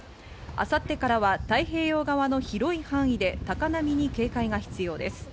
明後日からは太平洋側の広い範囲で高波に警戒が必要です。